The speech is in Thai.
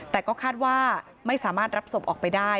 แต่ก็คาดว่าไม่สามารถรับศพออกไปได้